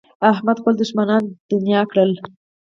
احمد خپل دوښمنان دڼيا کړل.